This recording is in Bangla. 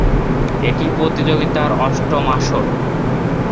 এটি প্রতিযোগিতার অষ্টম আসর।